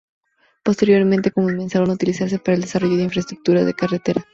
Posteriormente comenzaron a utilizarse para el desarrollo de infraestructura carretera.